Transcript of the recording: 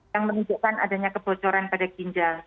yang menunjukkan adanya kebocoran pada ginjal